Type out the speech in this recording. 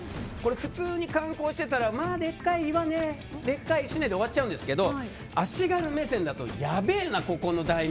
普通に観光していたらまあでかい岩ね、でかい石ねで終わっちゃうんですけど足軽目線だとやべーな、ここの大名。